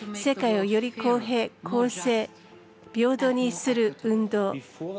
世界をより公平公正平等にする運動。